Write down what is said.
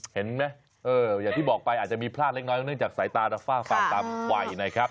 เห็นมั้ยเหมือนที่บอกไปอาจจะมีพลาดเล็กเนื่องจากสายตาฝ้าตามไหวนะครับ